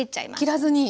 切らずに。